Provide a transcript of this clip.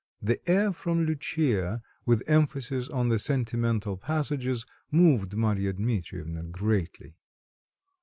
The air from "Lucia," with emphasis on the sentimental passages, moved Marya Dmitrievna greatly.